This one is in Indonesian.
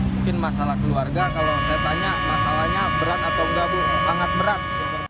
mungkin masalah keluarga kalau saya tanya masalahnya berat atau enggak bu sangat berat